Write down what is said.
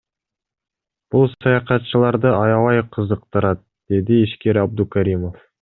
Бул саякатчыларды аябай кызыктырат, — деди ишкер Абдукаримов.